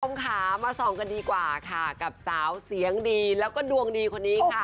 คุณผู้ชมค่ะมาส่องกันดีกว่าค่ะกับสาวเสียงดีแล้วก็ดวงดีคนนี้ค่ะ